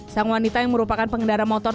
sang wanita yang merupakan pengendara motor